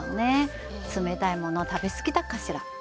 冷たいもの食べ過ぎたかしら？